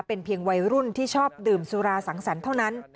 เป็นเพียงวัยรุ่นที่ชอบดื่มสุราสังสรรค์เท่านั้น